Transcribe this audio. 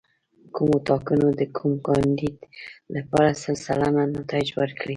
کومو ټاکنو د کوم کاندید لپاره سل سلنه نتایج ورکړي.